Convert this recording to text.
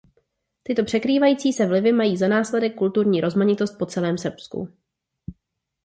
Tyto překrývající se vlivy mají za následek kulturní rozmanitost po celém Srbsku.